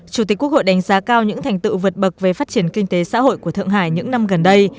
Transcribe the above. chủ tịch quốc hội đánh giá cao những thành tựu vượt bậc về phát triển kinh tế xã hội của thượng hải những năm gần đây